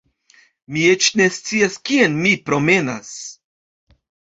Mi eĉ ne scias kien mi promenas